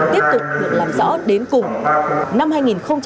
tiếp tục được làm rõ đến cùng